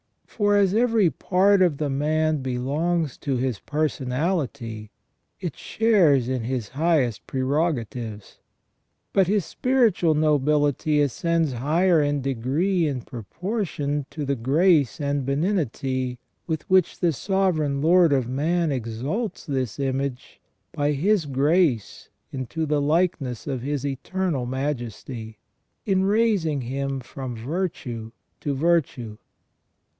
For as every part of the man belongs to his personality, it shares in his highest prerogatives. But his spiritual nobility ascends higher in degree in proportion to the grace and benignity with which the Sovereign Lord of man exalts this image by His grace into the likeness of the Eternal Majesty, in raising him from virtue to virtue.